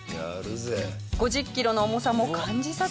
５０キロの重さも感じさせないぐらい